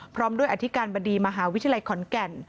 พร้อมด้วยอธิการบดีมหาวิทยาลัยขอนแก่น